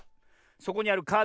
そこにあるカードをね